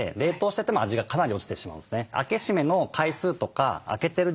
冷凍してても味がかなり落ちてしまうんですね。